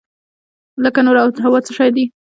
لکه نور او هوا څه شی دي؟